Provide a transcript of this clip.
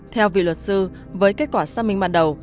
theo vì luật sư với kết quả xác minh ban đầu